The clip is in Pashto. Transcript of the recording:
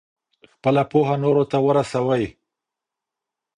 خپله پوهه نورو ته ورسوئ.